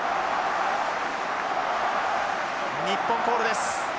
日本コールです。